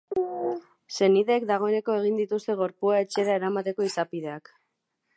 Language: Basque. Senideek dagoeneko egin dituzte gorpua etxera eramateko izapideak.